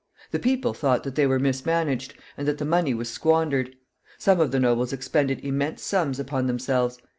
The people thought that they were mismanaged, and that the money was squandered. Some of the nobles expended immense sums upon themselves.